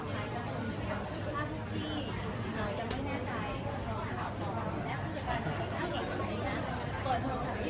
ด้วยความรู้สึกและก็อยากให้ประชาชนภูมิไทยได้รับคำ